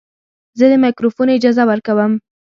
زه د مایکروفون اجازه ورکوم.